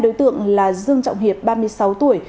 đối tượng là dương trọng hiệp ba mươi sáu tuổi